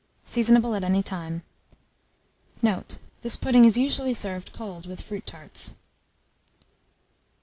Seasonable at any time. Note. This pudding is usually served cold with fruit tarts.